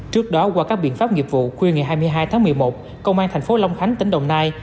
trước đó qua các biện pháp nghiệp vụ khuya ngày hai mươi hai tháng một mươi một công an thành phố long khánh tỉnh đồng nai